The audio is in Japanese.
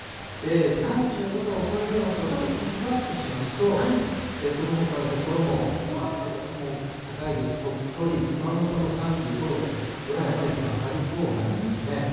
３５度を超えるような所、ちょっとピックアップしますと、そのほかの所も、京都も高いです、鳥取、熊本も３５度ぐらいまで気温上がりそうなんですね。